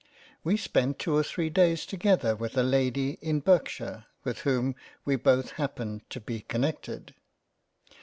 We spent two or three days together with a Lady in Berkshire with whom we both happened to be connected —